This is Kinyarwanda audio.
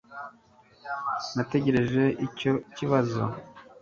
nategereje icyo kibazo